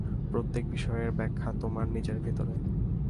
প্রত্যেক বিষয়ের ব্যাখ্যা তোমার নিজের ভিতরে।